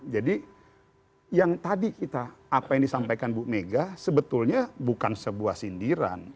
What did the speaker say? jadi yang tadi kita apa yang disampaikan bu mega sebetulnya bukan sebuah sindiran